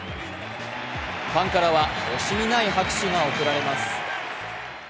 ファンからは惜しみない拍手が送られます。